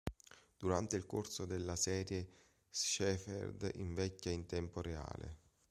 Durante il corso della serie, Shepherd invecchia in tempo reale.